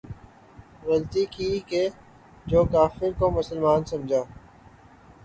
غلطی کی کہ جو کافر کو مسلماں سمجھا